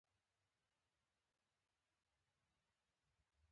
په حساب شپږ ساعته پر لار موټر ته انتظار پاتې شوم.